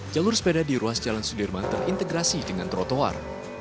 jalur sepeda di ruas jalan sudirman terintegrasi dengan trotoar